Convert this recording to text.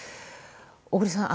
小栗さん